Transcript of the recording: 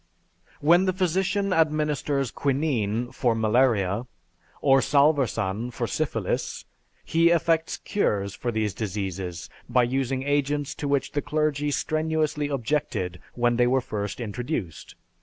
When the physician administers quinine for malaria, or salvarsan for syphilis, he effects cures for these diseases by using agents to which the clergy strenuously objected when they were first introduced.